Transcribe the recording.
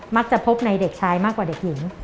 มักจะพบในเด็กชายมากกว่าเด็กหญิง